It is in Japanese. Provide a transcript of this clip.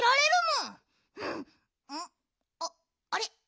んあっあれ？